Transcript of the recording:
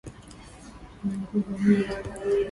Una nguvu nyingi.